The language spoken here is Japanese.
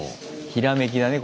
ひらめきだね